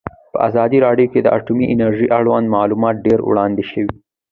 په ازادي راډیو کې د اټومي انرژي اړوند معلومات ډېر وړاندې شوي.